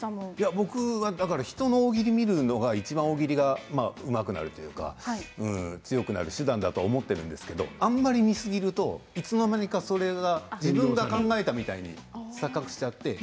僕は人の大喜利を見るのは大喜利はうまくなるというのか強くなる手段だと思っているんですけれどあまり見すぎるといつの間にかそれが自分が考えてみたく錯覚してしまって